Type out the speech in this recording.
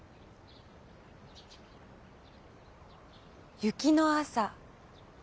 「雪の朝」。